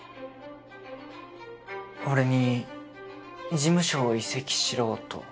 俺に事務所を移籍しろと？